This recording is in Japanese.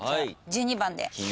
１２番で。